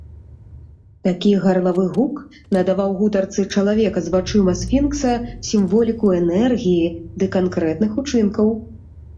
Такі гарлавы гук надаваў гутарцы чалавека з вачыма сфінкса сімволіку энергіі ды канкрэтных учынкаў.